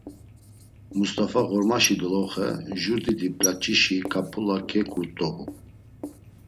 Must̆afa, ğormaşi doloxe, jur didi p̌laç̌işi ǩap̌ula keǩut̆obu.